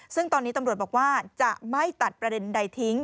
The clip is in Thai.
ซึ่งตอนนี้ตำรวจบอกว่าจะไม่ตัดประเด็นใดทิ้ง